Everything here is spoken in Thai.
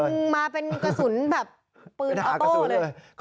มาเป็นกระสุนแบบปืนออโต้เลย